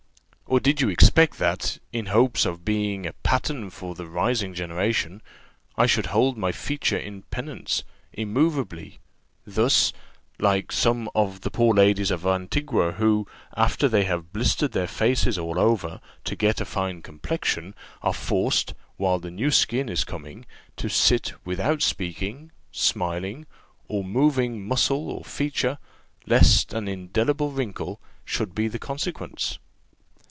Or did you expect that, in hopes of being a pattern for the rising generation, I should hold my features in penance, immoveably, thus like some of the poor ladies of Antigua, who, after they have blistered their faces all over, to get a fine complexion, are forced, whilst the new skin is coming, to sit without speaking, smiling, or moving muscle or feature, lest an indelible wrinkle should be the consequence?"